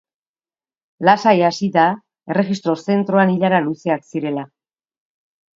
Lasai hasi da, erregistro zentroan ilara luzeak zirela.